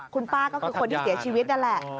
คุณป้าก็คือคนที่เสียชีวิตนั่นแหละ